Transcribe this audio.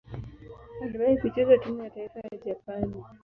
Aliwahi kucheza timu ya taifa ya Japani.